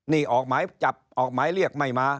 นี่ออกหมายจับออกหมายเรียกไม่มา